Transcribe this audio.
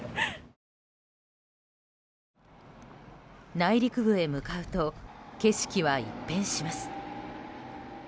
内陸部へ向かうと景色は一変します。